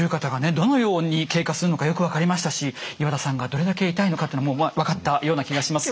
どのように経過するのかよく分かりましたし岩田さんがどれだけ痛いのかというのも分かったような気がします。